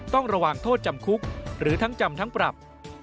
ต้องระวังโทษจำคุกหรือทั้งจำทั้งปรับ